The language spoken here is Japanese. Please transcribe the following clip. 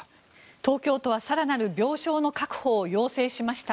東京都は更なる病床の確保を要請しました。